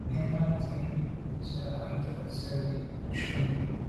Náná cɛ̌d tswî á ndǎ’ nə̀ tswì ŋkʉ̀n shúnī.